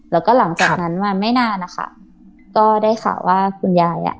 แล้วก็หลังจากนั้นมาไม่นานนะคะก็ได้ข่าวว่าคุณยายอ่ะ